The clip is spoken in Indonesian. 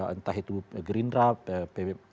entah itu gerindra pbb